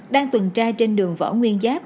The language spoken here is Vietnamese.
đang tuần tra trên đường võ nguyên giáp